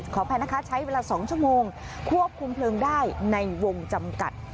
ขออภัยนะคะใช้เวลา๒ชั่วโมงควบคุมเพลิงได้ในวงจำกัด